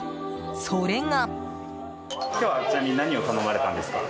それが。